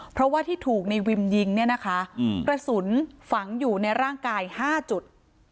เพราะว่าที่ถูกในวิมยิงเนี่ยนะคะกระสุนฝังอยู่ในร่างกาย๕จุด